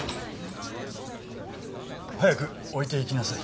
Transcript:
早く置いていきなさい。